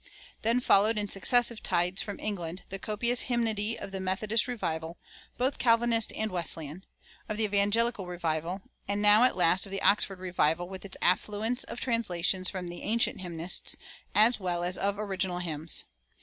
Then followed, in successive tides, from England, the copious hymnody of the Methodist revival, both Calvinist and Wesleyan, of the Evangelical revival, and now at last of the Oxford revival, with its affluence of translations from the ancient hymnists, as well as of original hymns.